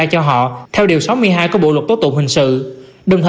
có nơi trên hai trăm năm mươi mm một đợt